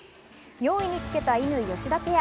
４位につけた乾・吉田ペア。